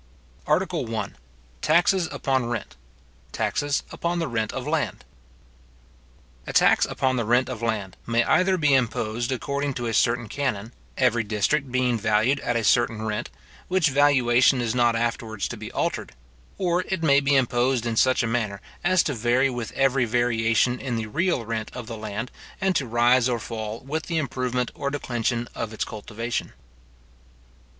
ARTICLE I.—Taxes upon Rent—Taxes upon the Rent of Land. A tax upon the rent of land may either be imposed according to a certain canon, every district being valued at a curtain rent, which valuation is not afterwards to be altered; or it may be imposed in such a manner, as to vary with every variation in the real rent of the land, and to rise or fall with the improvement or declension of its cultivation.